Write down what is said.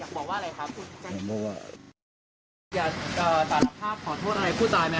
อยากบอกว่าอะไรครับอยากบอกว่าขอโทษอะไรผู้ตายไหม